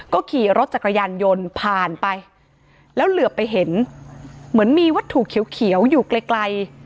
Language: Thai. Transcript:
ก็ขี่รถจักรยานยนต์ผ่านไปแล้วเหลือไปเห็นเหมือนมีวัตถุเขียวอยู่ไกลไกล